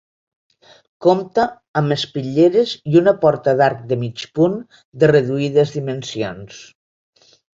Compta amb espitlleres i una porta d'arc de mig punt, de reduïdes dimensions.